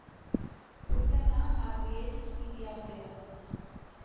Vull anar a Riells i Viabrea